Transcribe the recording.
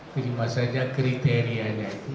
terima saja kriterianya itu